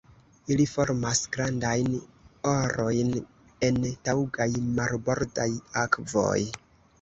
Ili formas grandajn arojn en taŭgaj marbordaj akvoj.